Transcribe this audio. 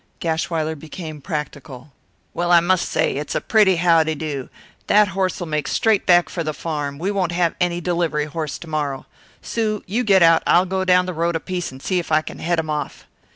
Gashwiler became practical. "Well, I must say, it's a pretty how de do, That horse'll make straight back for the farm; we won't have any delivery horse to morrow. Sue, you get out; I'll go down the road a piece and see if I can head him off."